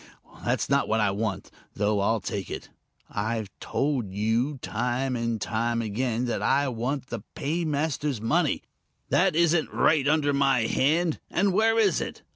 That's not what I want though I'll take it. I've told you, time and again, that I want the paymaster's money. That isn't right under my hand and where is it?